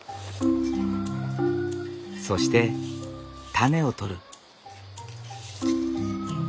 そしてタネを取る。